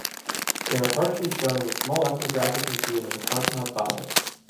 They are partially shown in the small ethnographic museum in Tășnad-Băi.